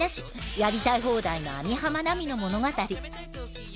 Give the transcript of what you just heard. やりたい放題の網浜奈美の物語。